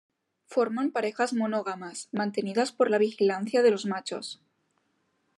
Forman parejas monógamas, mantenidas por la vigilancia de los machos.